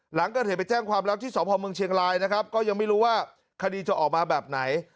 หลังเกิดเหตุไปแจ้งความแล้วที่สพเมืองเชียงรายนะครับก็ยังไม่รู้ว่าคดีจะออกมาแบบไหน